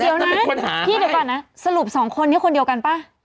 เดี๋ยวนะพี่เดี๋ยวก่อนนะสรุปสองคนนี้คนเดียวกันป่ะ